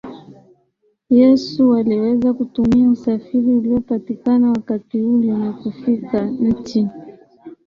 Yesu waliweza kutumia usafiri uliopatikana wakati ule na kufika nchi